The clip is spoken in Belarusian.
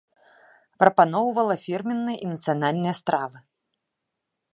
Прапаноўвала фірменныя і нацыянальныя стравы.